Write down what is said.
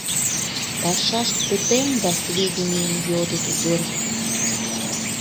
Пашашт пытен да, сведенийым йодыт дыр...